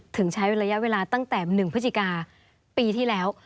ถึงใช้ระยะเวลาตั้งแต่๑พฤศจิกาปีที่แล้ว